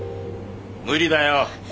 無理だよ。